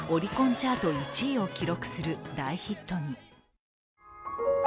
チャート１位を記録する大ヒットに。